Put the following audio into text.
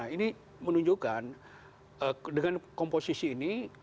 ini menunjukkan dengan komposisi ini